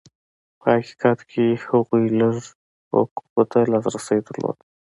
په حقیقت کې هغوی لږو حقوقو ته لاسرسی درلود.